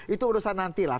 itu urusan nanti lah